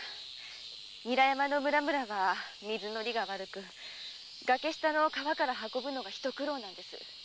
韮山の村々は水の利が悪く崖下の川から運ぶのがひと苦労なんです。